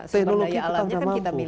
teknologi kita mampu